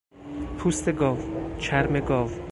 پوست گاو، چرم گاو